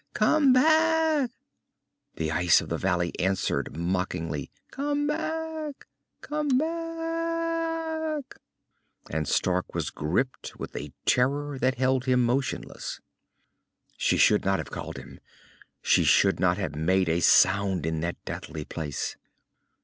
Come back!" The ice of the valley answered mockingly, "Come back! Come back!" and Stark was gripped with a terror that held him motionless. She should not have called him. She should not have made a sound in that deathly place.